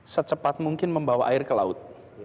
secepat mungkin membawa air ke laut